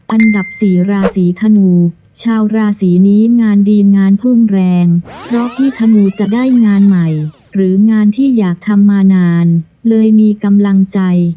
อันดับสี่ราศีธนูชาวราศีนี้งานดีงานพุ่งแรงเพราะพี่ธนูจะได้งานใหม่หรืองานที่อยากทำมานานเลยมีกำลังใจ